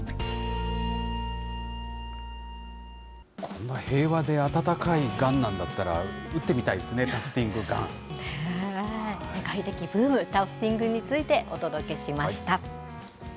こんな平和で温かいガンなんだったら、打ってみたいですね、世界的ブーム、タフティングについてお届けしました。